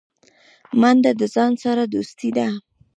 منډه د ځان سره دوستي ده